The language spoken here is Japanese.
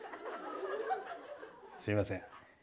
すいません。